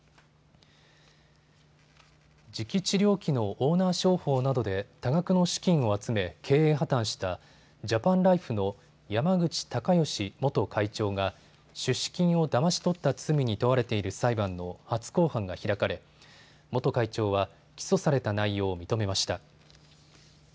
磁気治療器のオーナー商法などで多額の資金を集め経営破綻したジャパンライフの山口隆祥元会長が出資金をだまし取った罪に問われている裁判の初公判が開かれ元会長は起訴された内容を認めました。